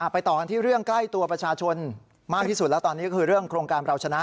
ไปต่อกันที่เรื่องใกล้ตัวประชาชนมากที่สุดแล้วตอนนี้ก็คือเรื่องโครงการเราชนะ